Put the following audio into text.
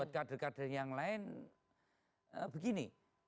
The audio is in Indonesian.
buat kader kader yang lain begini